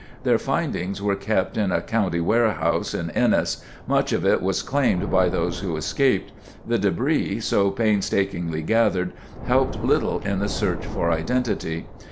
Their findings were kept in a county warehouse in Ennis. Much of it was claimed by those who'd escaped. The debris, so painstakingly gathered, helped little in the search for identity.